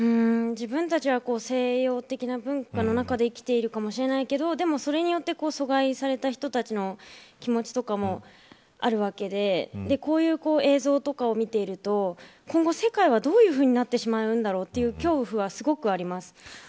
自分たちは西洋的な文化の中で生きているかもしれないけどでもそれによって阻害された人たちの気持ちとかもあるわけでこういう映像とかを見ていると今後世界は、どういうふうになってしまうんだろうという恐怖はすごくあります。